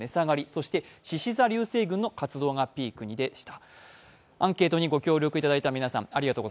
しし座流星群の活動がピークにでした。